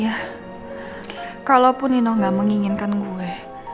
ya kalaupun dino nggak menginginkan gue